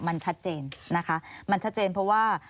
มันชัดเจนนะคะมันชัดเจนเพราะว่า